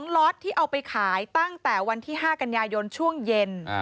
ล็อตที่เอาไปขายตั้งแต่วันที่๕กันยายนช่วงเย็น